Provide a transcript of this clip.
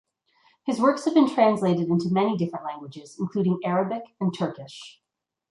His works have been translated into many different languages including Arabic and Turkish.